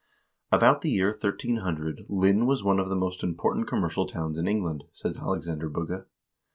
"About the year 1300 Lynn was one of the most important commercial towns in England," says Alexander Bugge.